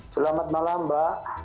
selamat malam mbak